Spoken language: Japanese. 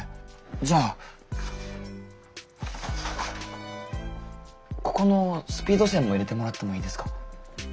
じゃあここのスピード線も入れてもらってもいいですか？